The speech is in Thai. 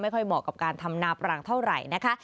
เหมาะกับการทำนาปรังเท่าไหร่นะคะ